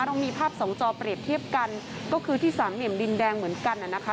เรามีภาพสองจอเปรียบเทียบกันก็คือที่สามเหลี่ยมดินแดงเหมือนกันน่ะนะคะ